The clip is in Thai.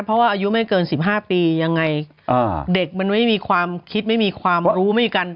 เพราะว่าอายุไม่เกิน๑๕ปียังไงเด็กมันไม่มีความคิดไม่มีความรู้ไม่กัน